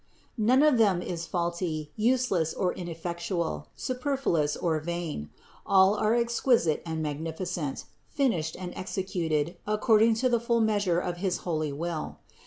None of them is faulty, useless or in effectual, superfluous or vain ; all are exquisite and mag nificent, finished and executed according to the full meas ure of his holy will.